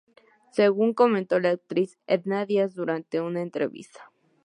Según comentó la actriz Edda Díaz durante una entrevista.